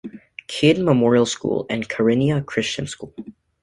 Kidd Memorial School and Carinya Christian School.